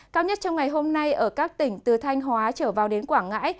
cao nhất trong ngày hôm nay ở các tỉnh từ thanh hóa trở vào đến quảng ngãi